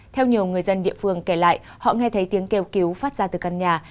theo nhiều người dân địa phương kể lại họ nghe thấy tiếng kêu cứu phát ra từ căn nhà